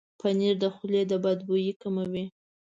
پنېر د خولې د بد بوي کموي.